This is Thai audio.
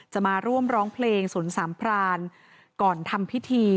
จะมาร่วมร้องเพลงสนสามพรานก่อนทำพิธี